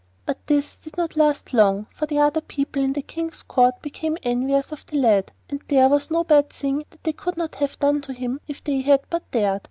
But this did not last long, for the other people in the King's Court became envious of the lad, and there was no bad thing that they would not have done to him if they had but dared.